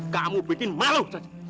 kamu bikin malu